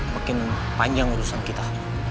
makin panjang urusan kita